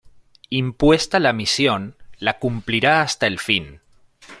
Impuesta la misión, la cumplirá hasta el fin.